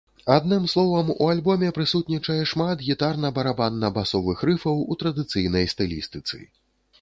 Адным словам, у альбоме прысутнічае шмат гітарна-барабанна-басовых рыфаў у традыцыйнай стылістыцы.